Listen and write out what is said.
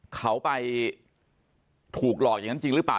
เขาไปถูกหลอกอย่างนั้นจริงหรือเปล่า